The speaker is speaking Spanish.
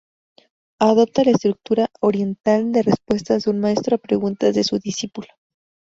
Adopta la estructura oriental de respuestas de un maestro a preguntas de su discípulo.